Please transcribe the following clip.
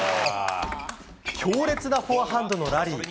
強烈なフォアハンドのラリー。